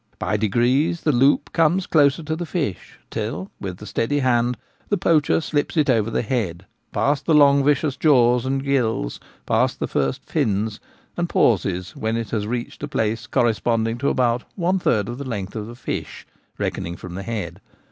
By degrees the loop comes closer to the fish, till with steady hand the poacher slips it over the head, past the long vicious jaws and gills, past the first fins, and pauses when it has reached a place corresponding to about one third of the length of the fish, reckoning from the head.